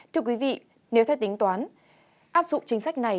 thưa quý vị nếu theo tính toán áp dụng chính sách này